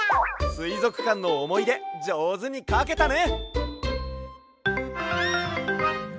すいぞくかんのおもいでじょうずにかけたね！